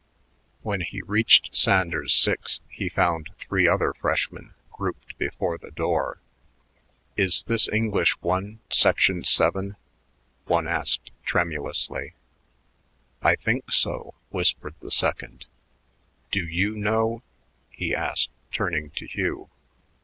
When he reached Sanders 6, he found three other freshmen grouped before the door. "Is this English One, Section Seven?" one asked tremulously. "I think so," whispered the second. "Do you know?" he asked, turning to Hugh.